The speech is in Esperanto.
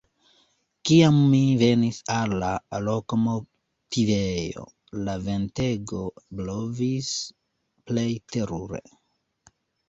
Kiam mi venis al la lokomotivejo, la ventego blovis plej terure.